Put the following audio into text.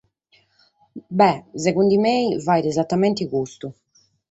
Beh, sicunde mene, faghet esatamente custu.